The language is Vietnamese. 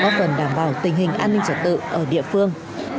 góp phần đảm bảo tình hình an ninh trật tự ở địa phương